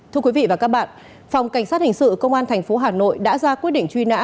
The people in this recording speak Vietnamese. thưa quý vị và các bạn phòng cảnh sát hình sự công an tp hà nội đã ra quyết định truy nã